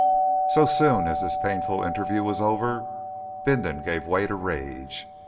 So soon as this painful interview was over, Bindon gave way to rage.